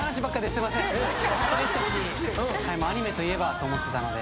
おはこでしたしアニメといえばと思ってたので。